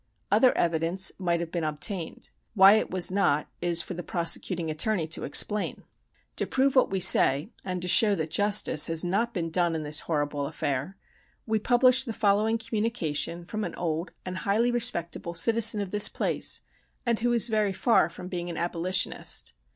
Other evidence might have been obtained; why it was not is for the prosecuting attorney to explain. To prove what we say, and to show that justice has not been done in this horrible affair, we publish the following communication from an old and highly respectable citizen of this place, and who is very far from being an Abolitionist.